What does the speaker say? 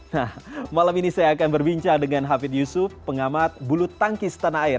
nah malam ini saya akan berbincang dengan hafid yusuf pengamat bulu tangkis tanah air